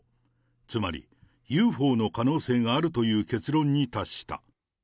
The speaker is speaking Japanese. つまり、ＵＦＯの可能性があるという結論に達した。